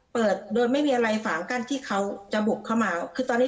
เปิดโดยไม่มีอะไรฝางกั้นที่เขาจะบุกเข้ามาคือตอนนี้